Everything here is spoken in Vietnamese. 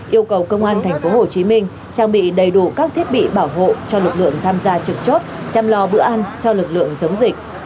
yêu cầu công an tp hcm trang bị đầy đủ các thiết bị bảo hộ cho lực lượng tham gia trực chốt chăm lo bữa ăn cho lực lượng chống dịch